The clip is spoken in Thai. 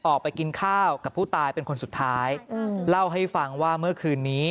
ออกไปกินข้าวกับผู้ตายเป็นคนสุดท้ายเล่าให้ฟังว่าเมื่อคืนนี้